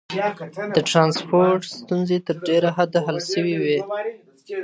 د ترانسپورت ستونزي تر ډيره حده حل سوي وې.